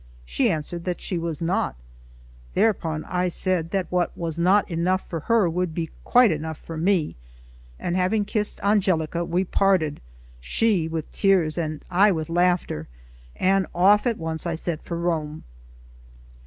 She answered that she was not; thereupon I said that what was not enough for her would be quite enough for me; and having kissed Angelica, we parted, she with tears, and I with laughter, and off at once I set for Rome.